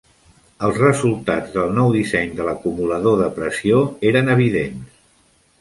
Els resultats del nou disseny de l'acumulador de pressió eren evidents.